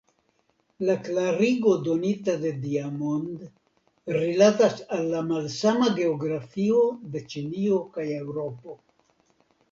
La klarigo donita de Diamond rilatas al la malsama geografio de Ĉinio kaj Eŭropo.